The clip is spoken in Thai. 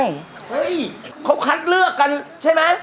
เฮ้ยเขาคัดเลือกกันใช่ไหม